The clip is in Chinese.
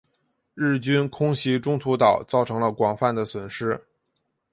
日军空袭中途岛造成了广泛的损失。